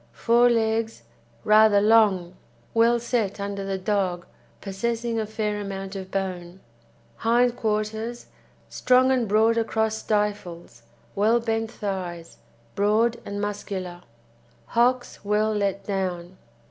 FORE LEGS Rather long, well set under the dog, possessing a fair amount of bone. HIND QUARTERS Strong and broad across stifles, well bent thighs, broad and muscular; hocks well let down.